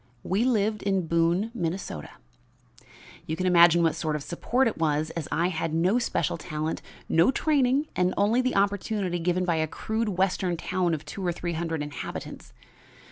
We lived in Boone, Minnesota. "You can imagine what sort of support it was, as I had no special talent, no training and only the opportunity given by a crude western town of two or three hundred inhabitants.